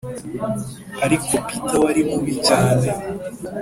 ariko peter, wari mubi cyane,